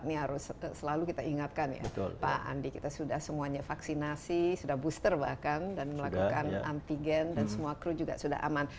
ini harus selalu kita ingatkan ya pak andi kita sudah semuanya vaksinasi sudah booster bahkan dan melakukan antigen dan semua kru juga sudah aman